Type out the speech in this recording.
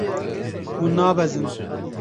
Hûn nabezin.